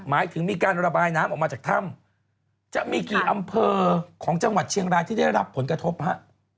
หมายถึงมีการระบายน้ำออกมาจากถ้ำจะมีกี่อำเภอของจังหวัดเชียงรายที่ได้รับผลกระทบฮะ